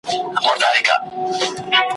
ليکنه پوهاند ډاکتر بهاوالدین مجروح